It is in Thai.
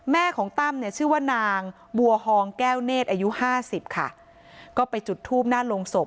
ของตั้มเนี่ยชื่อว่านางบัวฮองแก้วเนธอายุห้าสิบค่ะก็ไปจุดทูบหน้าโรงศพ